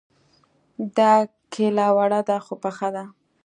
دا کيله وړه ده خو پخه ده